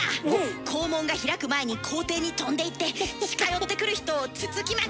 校門が開く前に校庭に飛んでいって近寄ってくる人をつつきまくります！